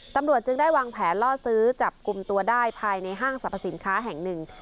ตำรวจจึงได้วางแผนล่อซื้อจับกลุ่มตัวได้ภายในห้างสรรพสินค้าแห่งหนึ่ง